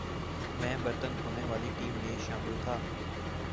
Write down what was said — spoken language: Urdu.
میں برتن دھونے والی ٹیم میں شامل تھا ۔